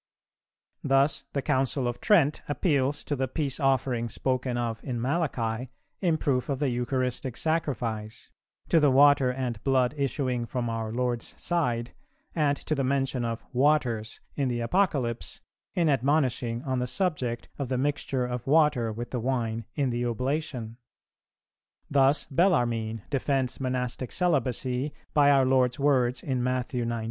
Thus the Council of Trent appeals to the peace offering spoken of in Malachi in proof of the Eucharistic Sacrifice; to the water and blood issuing from our Lord's side, and to the mention of "waters" in the Apocalypse, in admonishing on the subject of the mixture of water with the wine in the Oblation. Thus Bellarmine defends Monastic celibacy by our Lord's words in Matthew xix.